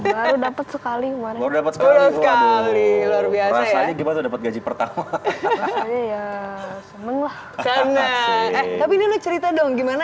baru dapat sekali warna berkali luar biasa ya dapat gaji pertama ya tapi cerita dong gimana